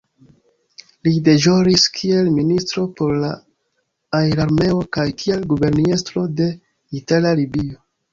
Li deĵoris kiel ministro por la Aerarmeo kaj kiel guberniestro de Itala Libio.